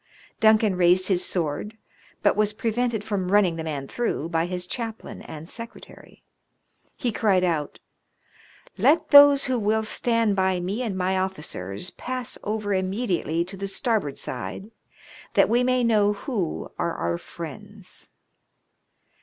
Duncan raised his sword, but was prevented from running the man through by his chaplain and secretary. He cried out, " Let those who will stand by me and my officers pass over' immediately to the starboard side, that we may know who are our friends."